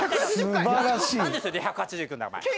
何でそれで１８０いくんだよ？